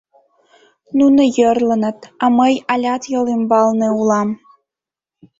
Нуно йӧрлыныт, а мый алят йол ӱмбалне улам...